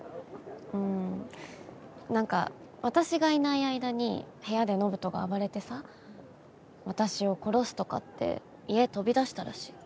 うんなんか私がいない間に部屋で延人が暴れてさ私を殺すとかって家飛び出したらしいの。